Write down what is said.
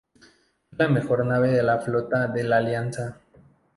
Es la mejor nave de la flota de la Alianza.